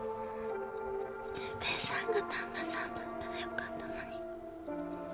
純平さんが旦那さんだったらよかったのに。